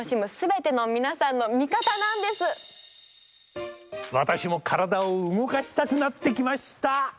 私も体を動かしたくなってきました！